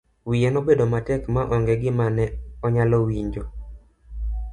Wiye nobedo matek ma onge gima ne onyalo winjo.